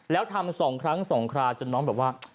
แล้วทำ๒ครั้ง๒คราวจนน้องแบบว่า